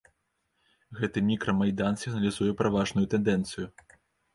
Гэты мікра-майдан сігналізуе пра важную тэндэнцыю.